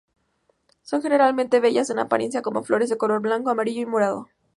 Son generalmente bellas en apariencia con flores de color blanco, amarillo y morado.